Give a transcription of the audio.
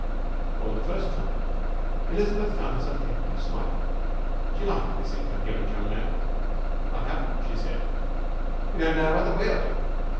For the first time Elizabeth found herself capable of smiling. She liked this incoherent young man. 'I haven't,' she said. 'You don't know about the will?'